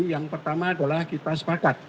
yang pertama adalah kita sepakat